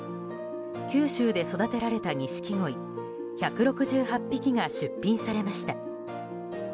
九州で育てられたニシキゴイ１６８匹が出品されました。